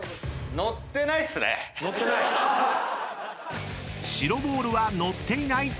のってない⁉［白ボールはのっていない！］